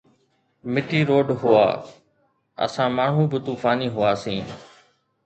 مٽي روڊ هئا، اسان ماڻهو به طوفاني هئاسين